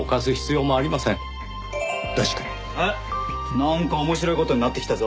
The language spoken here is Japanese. なんか面白い事になってきたぞ。